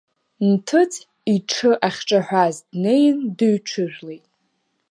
Нҭыҵ иҽы ахьҿаҳәаз днеин, дыҩҽыжәлеит.